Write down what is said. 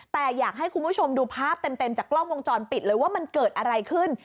แต่อยากให้คุณผู้ชมดูภาพเต็มจากกล้องวงจรปิดเลยว่ามันเกิดอะไรขึ้น